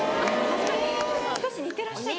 少し似てらっしゃる。